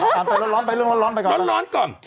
อ่านไปร้อนร้อนไปเรื่องร้อนร้อนไปก่อน